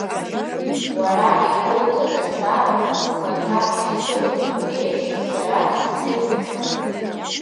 Уара игәоуҭаз азҵаарақәа ухаҭа ишцәыруго еиԥш, сара исзеиқәыршәаӡом.